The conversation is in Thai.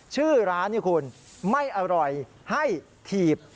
ชื่อร้านนี่คุณไม่อร่อยให้ถีบ